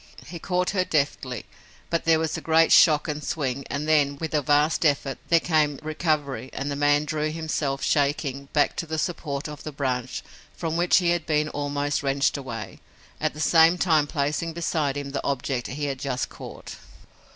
He caught her deftly, but there was a great shock and swing and then, with a vast effort, there came recovery and the man drew himself, shaking, back to the support of the branch from which he had been almost wrenched away, at the same time placing beside him the object he had just caught.